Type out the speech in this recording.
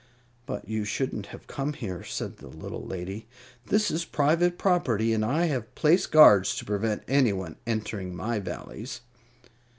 "But you shouldn't have come here," said the little lady. "This is private property, and I have placed guards to prevent anyone entering my Valleys."